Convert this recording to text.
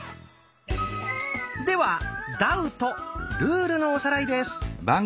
では「ダウト」ルールのおさらいです。